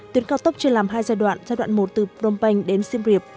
tốc triển làm hai giai đoạn giai đoạn một từ phonomenh đến siem reap